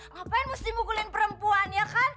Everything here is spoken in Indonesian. ngapain mesti mukulin perempuan ya kan